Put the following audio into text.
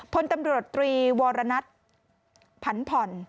พลตำรวจตรีวรณัทผันผ่อน